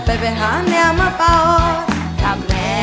ไปหาแมวมาเป่ากับแม่